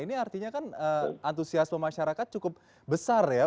ini artinya kan antusiasme masyarakat cukup besar ya